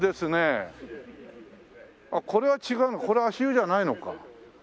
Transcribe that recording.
あっこれは違うのこれは足湯じゃないのか。